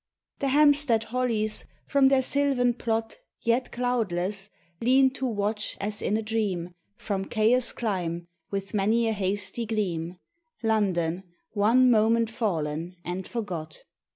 The Hampstead hollies, from their sylvan plot Yet cloudless, lean to watch, as in a dream, From chaos climb, with many a hasty gleam, London, one moment fallen and forgot.